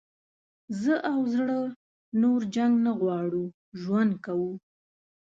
زه او زړه نور جنګ نه غواړو ژوند کوو.